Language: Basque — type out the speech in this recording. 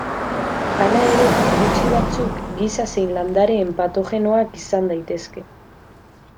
Hala ere, gutxi batzuk giza zein landareen patogenoak izan daitezke.